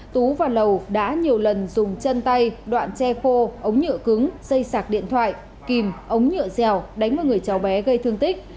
tú và lầu đã nhiều lần dùng chân tay đoạn che khô ống nhựa cứng dây sạc điện thoại kìm ống nhựa dèo đánh vào người cháu bé gây thương tích